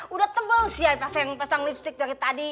udah tebel sih pas yang pesang lipstick dari tadi